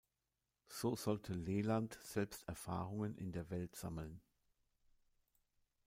So sollte Leland selbst Erfahrungen in der Welt sammeln.